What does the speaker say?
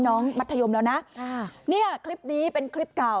มัธยมแล้วนะเนี่ยคลิปนี้เป็นคลิปเก่า